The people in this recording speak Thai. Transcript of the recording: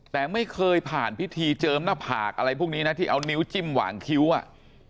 แต่ไม่เคยผ่านพิธีเจิมหน้าผากอะไรพวกนี้นะที่เอานิ้วจิ้มหวางคิ้วอ่ะ